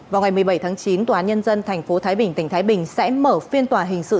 vào ngày một mươi bảy tháng chín tòa án nhân dân tp thái bình tỉnh thái bình sẽ mở phiên tòa hình sự